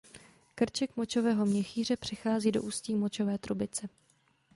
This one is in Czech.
Krček močového měchýře přechází do ústí močové trubice.